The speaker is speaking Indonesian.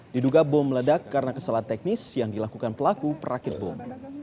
diduga bom meledak karena kesalahan teknis yang dilakukan pelaku perakit bom